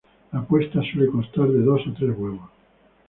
La puesta suele constar de dos o tres huevos.